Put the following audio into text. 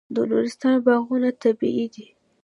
د نورستان باغونه طبیعي دي.